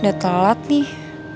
udah telat nih